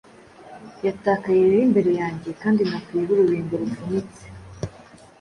Yatakaye rero imbere yanjye; Kandi nakuyeho urubingo rufunitse,